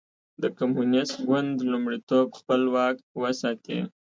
د کمونېست ګوند لومړیتوب خپل واک وساتي.